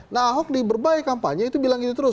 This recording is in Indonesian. nah ahok diberbayai kampanye itu bilang gini terus